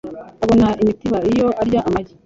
Abona imitiba iyo arya amagi .